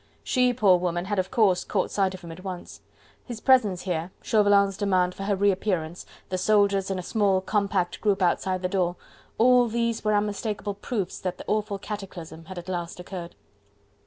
She, poor woman, had of course caught sight of him at once. His presence here, Chauvelin's demand for her reappearance, the soldiers in a small compact group outside the door, all these were unmistakable proofs that the awful cataclysm had at last occurred.